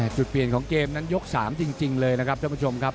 จุดเปลี่ยนของเกมนั้นยก๓จริงเลยนะครับท่านผู้ชมครับ